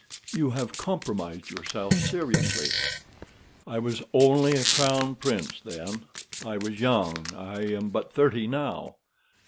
"You have compromised yourself seriously." "I was only crown prince then. I was young. I am but thirty now."